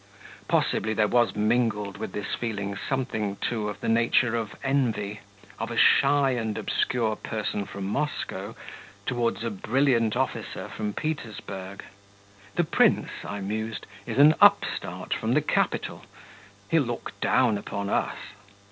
Possibly there was mingled with this feeling something too of the nature of envy of a shy and obscure person from Moscow towards a brilliant officer from Petersburg. 'The prince,' I mused, 'is an upstart from the capital; he'll look down upon us....'